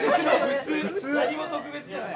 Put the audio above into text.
何も特別じゃない。